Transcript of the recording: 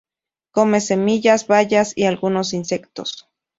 Come semillas, bayas y algunos insectos.